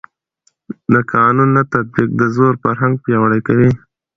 د قانون نه تطبیق د زور فرهنګ پیاوړی کوي